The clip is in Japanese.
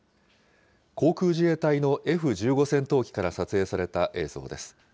航空自衛隊のＦ１５戦闘機から撮影された映像です。